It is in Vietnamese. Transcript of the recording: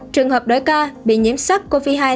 trường hợp đối ca bị nhiễm sắc covid hai